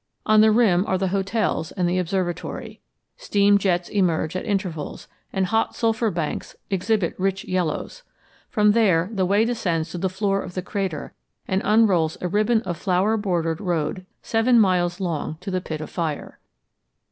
On the rim are the hotels and the observatory. Steam jets emerge at intervals, and hot sulphur banks exhibit rich yellows. From there the way descends to the floor of the crater and unrolls a ribbon of flower bordered road seven miles long to the pit of fire.